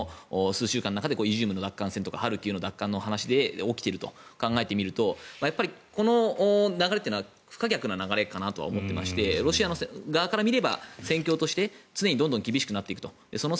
イジュームの奪還戦とかハルキウの奪還戦で起きていると考えるとこの流れは不可逆な流れかなと思っていましてロシア側から見れば戦況として常に厳しくなっていくと。